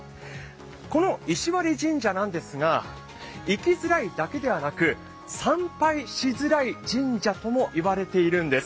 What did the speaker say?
この石割神社なんですが行きづらいだけではなく参拝しづらい神社とも言われているんです。